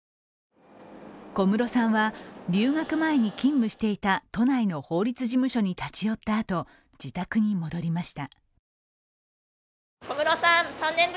小室さんは留学前に勤務していた都内の法律事務所に立ち寄ったあと、自宅に戻りました。